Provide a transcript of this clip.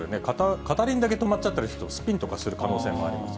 片輪だけ止まっちゃったりすると、スピンとかする可能性もあります。